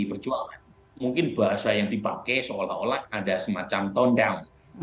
kata kata itu juga berjualan mungkin bahasa yang dipakai seolah olah ada semacam tone down